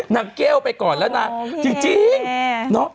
นางแก้วไปก่อนแล้วนางจริงเนาะ